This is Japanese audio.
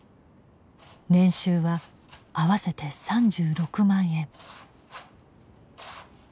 年収は合わせて３６万円。